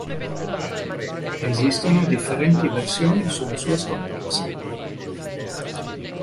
Esistono differenti versioni sulla sua scomparsa.